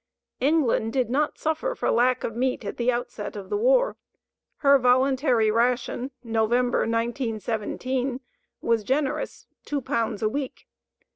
England did not suffer for lack of meat at the outset of the war. Her voluntary ration (November, 1917) was generous, 2 pounds per week.